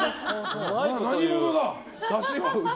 何者だ？